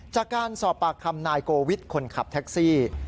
จากการสอบปากคำนายโกวิทย์คนขับแท็กซี่